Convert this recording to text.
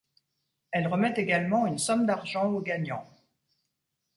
Elle remet également une somme d'argent aux gagnants.